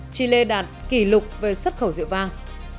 chile đạt kỷ lục về xuất khẩu rượu vàng